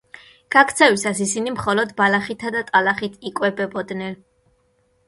გაქცევისას ისინი მხოლოდ ბალახითა და ტალახით იკვებებოდნენ.